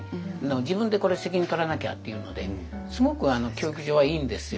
自分で責任とらなきゃっていうのですごく教育上はいいんですよ。